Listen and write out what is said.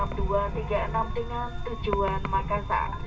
manusia yang meremehnya di awal bumi